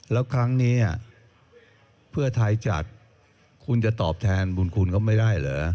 แล้วครั้งนี้เพื่อไทยจัดคุณจะตอบแทนบุญคุณเขาไม่ได้เหรอ